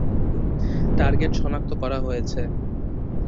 Target শনাক্ত করা হয়েছে।